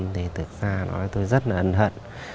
thì thực ra tôi rất là ẩn hận